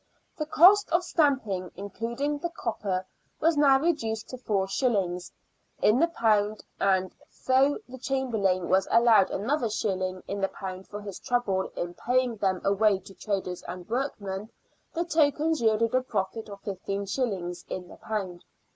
The cost of stamping, including the copper, was now reduced to 4s. in the pound, and, though the Chamberlain was allowed another shilling in the pound for his trouble in paying them away to traders and workmen, the tokens yielded a profit of 15s. in the pound.